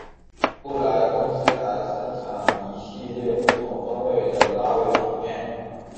布莱公司还生产一系列不同风味的辣味薯片。